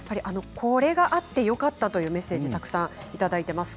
これがあってよかったというメッセージです。